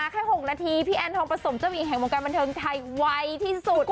กดอย่างวัยจริงเห็นพี่แอนทองผสมเจ้าหญิงแห่งโมงการบันเทิงไทยวัยที่สุดค่ะ